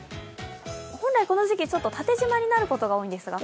本来この時期、縦じまになることあるんですけど